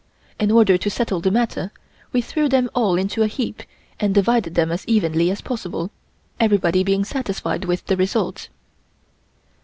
In order to settle the matter, we threw them all into a heap and divided them as evenly as possible, everybody being satisfied with the result.